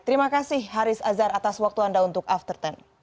terima kasih haris azhar atas waktu anda untuk after sepuluh